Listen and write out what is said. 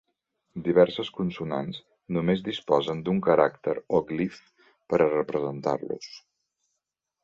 Diverses consonants només disposen d'un caràcter o glif per a representar-los.